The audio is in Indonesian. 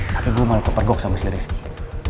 tapi gue malah kepergok sama si rizky